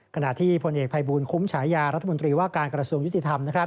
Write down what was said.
ขณะที่พลเอกภัยบูลคุ้มฉายารัฐมนตรีว่าการกระทรวงยุติธรรม